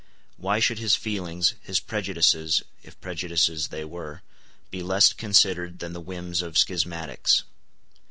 Why should his feelings, his prejudices, if prejudices they were, be less considered than the whims of schismatics?